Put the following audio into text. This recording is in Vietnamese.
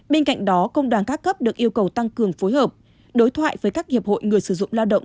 bên cạnh đó công đoàn các cấp được yêu cầu tăng cường phối hợp đối thoại với các hiệp hội người sử dụng lao động